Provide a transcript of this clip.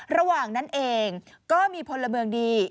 ระหว่างนั้นเองก็มีพลเมืองดี